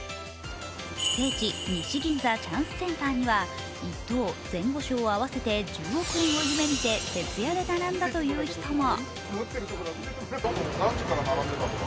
聖地・西銀座チャンスセンターには１等・前後賞合わせて１０億円を夢見て徹夜で並んだという人も。